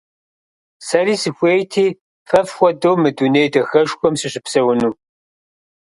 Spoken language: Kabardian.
Сэри сыхуейти фэ фхуэдэу мы дуней дахэшхуэм сыщыпсэуну.